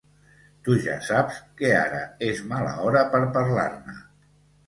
Tu ja saps que ara és mala hora per parlar-ne.